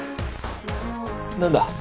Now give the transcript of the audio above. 何だ？